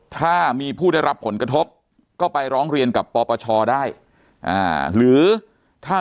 ถ้ามีผู้ได้รับผลกระทบก็ไปร้องเรียนกับปปชได้หรือถ้า